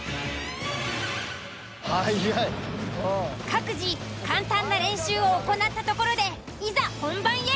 各自簡単な練習を行ったところでいざ本番へ。